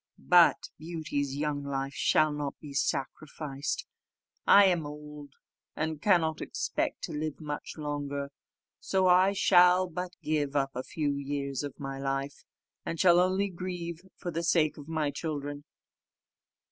But Beauty's young life shall not be sacrificed: I am old, and cannot expect to live much longer; so I shall but give up a few years of my life, and shall only grieve for the sake of my children."